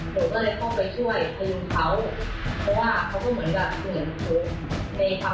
หนูก็เลยเข้าไปช่วยดึงเขาเพราะว่าเขาก็เหมือนกับเหมือนถูกตีเขา